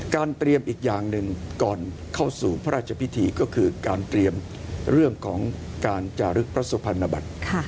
เตรียมอีกอย่างหนึ่งก่อนเข้าสู่พระราชพิธีก็คือการเตรียมเรื่องของการจารึกพระสุพรรณบัติ